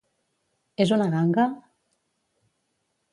És una ganga?